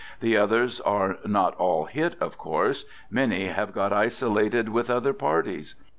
The oth ers are not all hit, of course; many have got isolated with other parties.